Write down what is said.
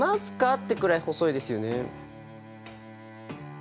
ってくらい細いですよね。